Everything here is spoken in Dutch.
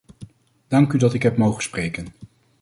Dank u dat ik heb mogen spreken!